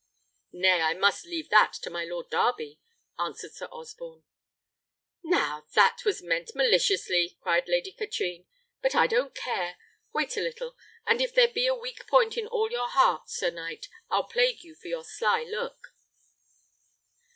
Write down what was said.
"Nay, I must leave that to my Lord Darby," answered Sir Osborne. "Now, that was meant maliciously!" cried Lady Katrine. "But I don't care! Wait a little; and if there be a weak point in all your heart, sir knight, I'll plague you for your sly look."